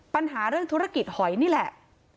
ปัญหาเรื่องธุรกิจหอยนี่แหละ